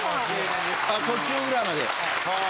途中ぐらいまで。